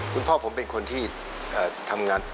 คุณพ่อผมเป็นคนที่ทำงาน